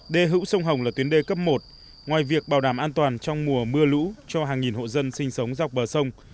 đê hữu sông hồng là tuyến đê cấp một ngoài việc bảo đảm an toàn trong mùa mưa lũ cho hàng nghìn hộ dân sinh sống dọc bờ sông